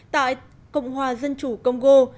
tại cộng hòa dân chủ congo